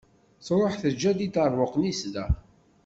Truḥ teǧǧa-d iṭerbuqen-is da.